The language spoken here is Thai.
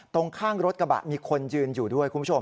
ตรงข้างรถกระบะมีคนยืนอยู่ด้วยคุณผู้ชม